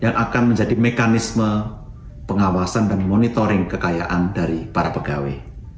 akan menjadi mekanisme pengawasan dan monitoring kekayaan dari para pegawai